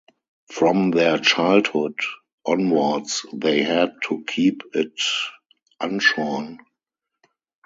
From their childhood onwards they had to keep it unshorn.